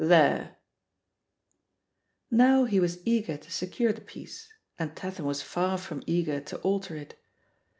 There !" Now he was eager to secure the piece, and Tatham was far from eager to alter it.